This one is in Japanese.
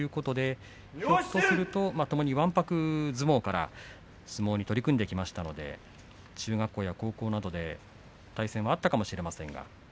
ひょっとするとわんぱく相撲から相撲に取り組んできましたので中学や高校で対戦があったかもしれません。